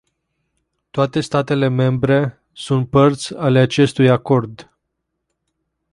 Toate statele membre sunt părți ale acestui acord.